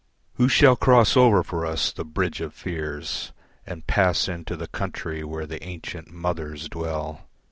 Who shall cross over for us the bridge of fears And pass in to the country where the ancient Mothers dwell?